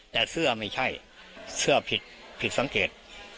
แต่เสื้อไม่ใช่เสื้อผิดผิดสังเกต